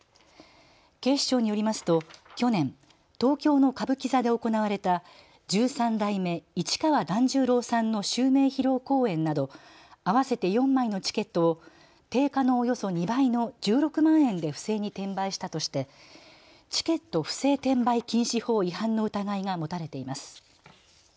警視庁によりますと去年、東京の歌舞伎座で行われた十三代目市川團十郎さんの襲名披露公演など合わせて４枚のチケットを定価のおよそ２倍の１６万円で不正に転売したとしてチケット不正転売禁止法違反の疑いが持たれています。